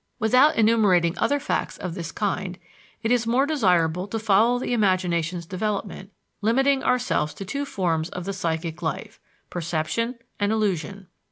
Without enumerating other facts of this kind, it is more desirable to follow the imagination's development, limiting ourselves to two forms of the psychic life perception and illusion.